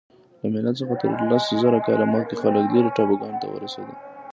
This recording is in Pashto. له میلاد څخه تر لس زره کاله مخکې خلک لیرې ټاپوګانو ته ورسیدل.